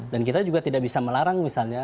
dan kita juga tidak bisa melarang misalnya